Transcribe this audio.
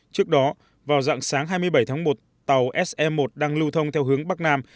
trước đó vào dạng sáng hai mươi bảy tháng một tàu se một đang lưu thông theo hướng bắc nam